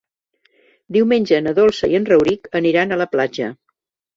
Diumenge na Dolça i en Rauric aniran a la platja.